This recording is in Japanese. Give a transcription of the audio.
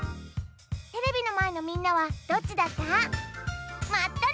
テレビのまえのみんなはどっちだった？